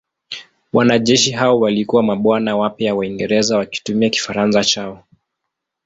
Wanajeshi hao walikuwa mabwana wapya wa Uingereza wakitumia Kifaransa chao.